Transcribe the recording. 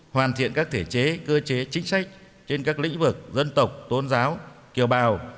hoàn thiện các thể chế cơ chế chính sách trên các lĩnh vực dân tộc tôn giáo kiều bào